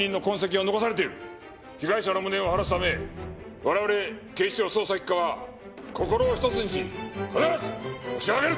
被害者の無念を晴らすため我々警視庁捜査一課は心を一つにし必ずホシを挙げる！